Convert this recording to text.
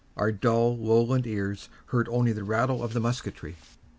Our dull Lowland ears heard only the rattle of the musketry.